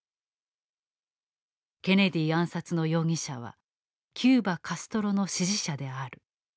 ケネディ暗殺の容疑者はキューバカストロの支持者である。